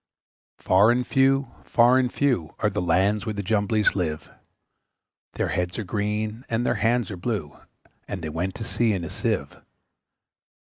Far and few, far and few, Are the lands where the Jumblies live; Their heads are green, and their hands are blue, And they went to sea in a Sieve.